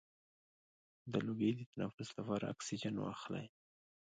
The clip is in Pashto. د لوګي د تنفس لپاره اکسیجن واخلئ